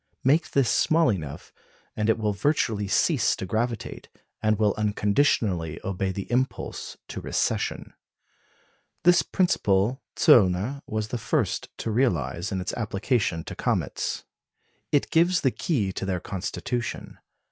Make this small enough, and it will virtually cease to gravitate, and will unconditionally obey the impulse to recession. This principle Zöllner was the first to realise in its application to comets. It gives the key to their constitution.